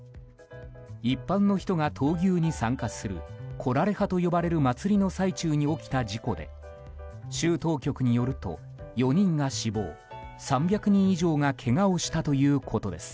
一般の人が闘牛に参加するコラレハと呼ばれる祭りの最中に起きた事故で州当局によると４人が死亡３００人以上がけがをしたということです。